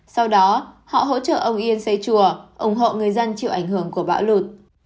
sau đó họ hỗ trợ ông yên xây chùa ủng hộ người dân chịu ảnh hưởng của bão lụt